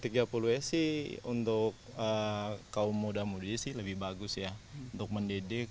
g tiga puluh s sih untuk kaum muda muda sih lebih bagus ya untuk mendidik